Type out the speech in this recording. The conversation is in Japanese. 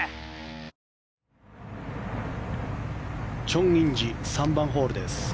チョン・インジ３番ホールです。